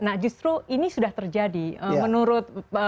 nah justru ini sudah terjadi menurut